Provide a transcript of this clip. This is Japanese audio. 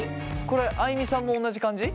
これあいみさんも同じ感じ？